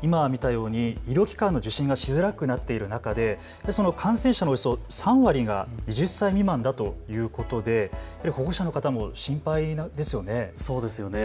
今、見たように医療機関の受診がしづらくなっている中で感染者のおよそ３割が１０歳未満だということで保護者の方も心配ですよね。